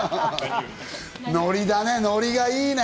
ノリだね、ノリがいいね。